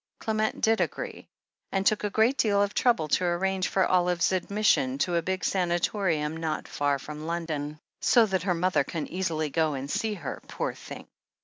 Qement did agree, and took a great deal of trouble to arrange for Olive's admission to a big sanatorium not far from London. "So that her mother can easily go and see her, poor thing."